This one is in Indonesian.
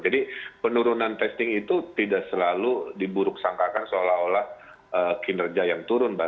jadi penurunan testing itu tidak selalu diburuk sangkakan seolah olah kinerja yang turun mbak